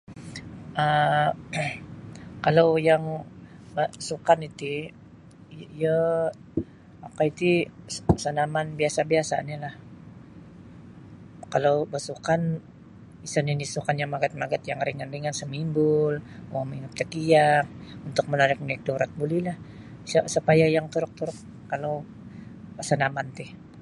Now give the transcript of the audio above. um Kalau yang basukan iti iyo okoi ti sanaman biasa-biasa nilah kalau basukan isa nini sukannyo magad-magad yang ringan-ringan sumimbul menginut tekiak untuk menarik-narik urat bulilah isa sa paya yang teruk-teruk kalau sanaman tih.